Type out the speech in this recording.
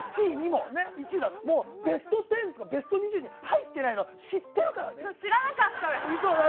ベスト１０とか２０に入っていないの知ってるからね。